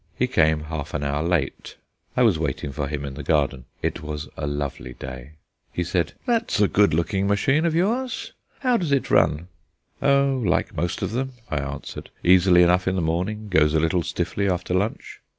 He came half an hour late: I was waiting for him in the garden. It was a lovely day. He said: "That's a good looking machine of yours. How does it run?" "Oh, like most of them!" I answered; "easily enough in the morning; goes a little stiffly after lunch."